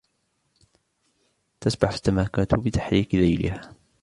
تسبح السمكة بتحريك ذيلها.